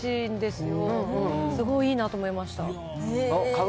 すごいいいなと思いました。